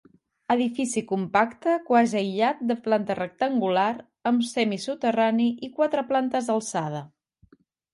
Edifici compacte quasi aïllat de planta rectangular, amb semisoterrani, i quatre plantes d'alçada.